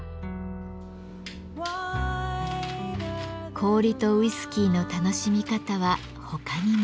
氷とウイスキーの楽しみ方は他にも。